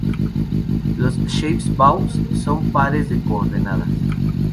Los Shape-Values son pares de coordenadas.